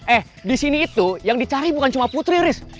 eh disini itu yang dicari bukan cuma putri ris